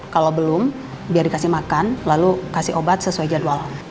kalau belum biar dikasih makan lalu kasih obat sesuai jadwal